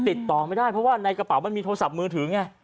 ติดต่อไม่ได้เพราะว่าในกระเป๋ามันมีโทรศัพท์มือถือไง